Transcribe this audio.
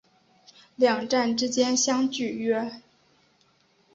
两站之间相距约。